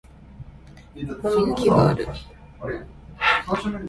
もみの木がある